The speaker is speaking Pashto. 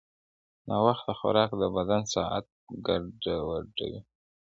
ناوخته خوراک د بدن ساعت ګډوډوي.